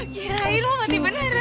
kira hain lo mati beneran